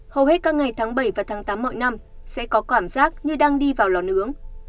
hầu hết các ngày tháng bảy và tháng tám mọi năm sẽ có cảm giác như đang đi vào lò nướng